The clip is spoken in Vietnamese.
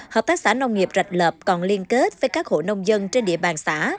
hợp tác xã nông nghiệp rạch lợp còn liên kết với các hộ nông dân trên địa bàn xã